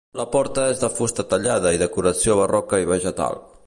La porta és de fusta tallada i decoració barroca i vegetal.